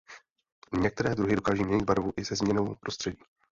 Některé druhy dokáží měnit barvu i se změnou prostředí.